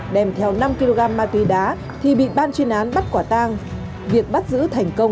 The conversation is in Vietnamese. đem theo năm kg ma túy đá thì bị ban chuyên án bắt quả tang việc bắt giữ thành công